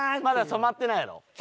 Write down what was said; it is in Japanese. まだ染まってないやろ？